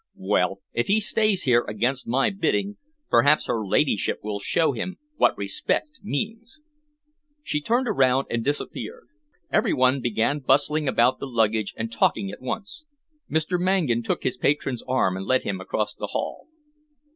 Well, if he stays here against my bidding, perhaps her ladyship will show him what respect means." She turned around and disappeared. Every one began bustling about the luggage and talking at once. Mr. Mangan took his patron's arm and led him across the hall.